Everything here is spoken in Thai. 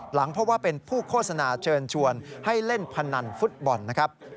หลังเพราะว่าเป็นผู้โฆษณาเชิญชวนให้เล่นพนันฟุตบอลนะครับ